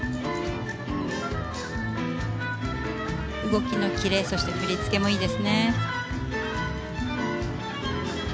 動きのキレそして振り付けもいいですね。